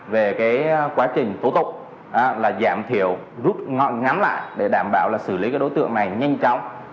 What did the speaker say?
những cái thủ tục là giảm thiểu rút ngắm lại để đảm bảo là xử lý cái đối tượng này nhanh chóng